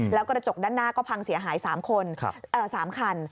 แล้วกระจกด้านหน้าก็พังเสียหาย๓คน๓คัน